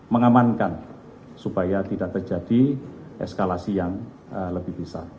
mengamankan supaya tidak terjadi eskalasi yang lebih besar